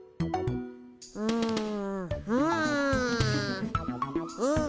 うんうん。